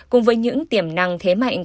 cùng với những tiềm năng thế mạnh